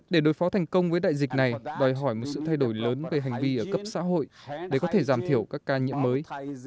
để đối phó thành công với đại dịch này đòi hỏi một sự thay đổi lớn về hành vi ở cấp xã hội để có thể giảm thiểu các ca nhiễm mới